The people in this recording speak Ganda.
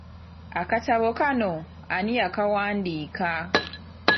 Akatabo kano ani yakawandiika?